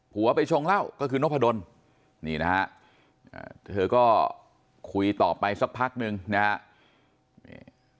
ผัวไปชงเหล้าก็คือนพดลนี่นะฮะเธอก็คุยต่อไปสักพักนึงนะฮะ